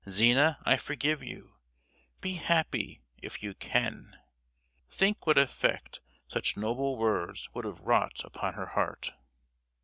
Zina, I forgive you; be happy, if you can!'—think what effect such noble words would have wrought upon her heart!"